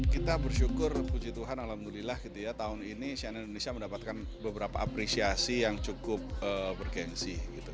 kita bersyukur puji tuhan alhamdulillah gitu ya tahun ini cnn indonesia mendapatkan beberapa apresiasi yang cukup bergensi gitu